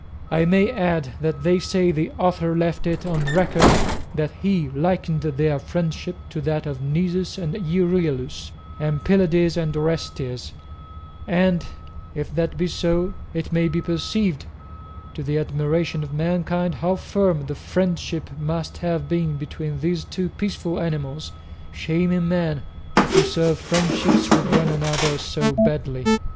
I may add that they say the author left it on record that he likened their friendship to that of Nisus and Euryalus, and Pylades and Orestes; and if that be so, it may be perceived, to the admiration of mankind, how firm the friendship must have been between these two peaceful animals, shaming men, who preserve friendships with one another so badly.